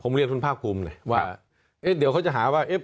ผมเรียนคุณภาคภูมิเลยว่าเดี๋ยวเขาจะหาว่า